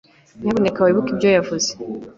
Nyamuneka wibuke ibyo yavuze.